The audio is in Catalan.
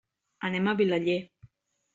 Anem a Vilaller.